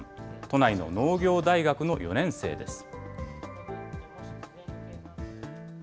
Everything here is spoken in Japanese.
都内の農業大学の４年生です。